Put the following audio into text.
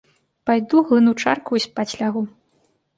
Пайду глыну чарку і спаць лягу.